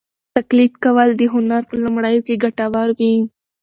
تقلید کول د هنر په لومړیو کې ګټور وي.